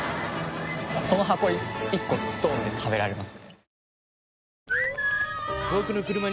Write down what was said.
その箱一個ドンって食べられますね。